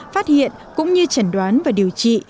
phát hiện cũng như chẩn đoán và điều trị